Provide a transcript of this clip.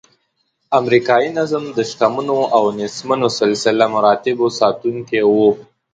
امریکایي نظم د شتمنو او نیستمنو سلسله مراتبو ساتونکی و.